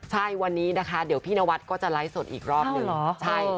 ใช่วันนี้นะคะเดี๋ยวพี่นวัดก็จะไลฟ์สดอีกรอบหนึ่ง